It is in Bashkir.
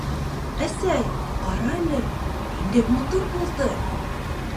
— Әсәй, ҡарәле, ниндәй матур булды!..